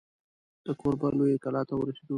د کوربه لویې کلا ته ورسېدو.